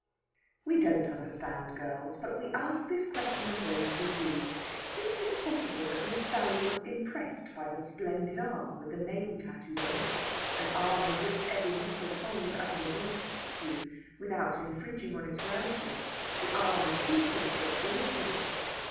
We don't understand girls, but we ask this question of those who do: Is it possible that Miss Sally was impressed by the splendid arm with the name tattooed on it an arm in which every muscle told as in a Greek statue, without infringing on its roundness the arm of Theseus or Ilissus?